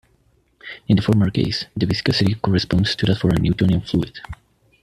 In the former case, the viscosity corresponds to that for a Newtonian fluid.